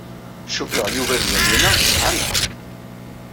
Cukkeɣ Yuba d Yamina sɛan lḥeqq.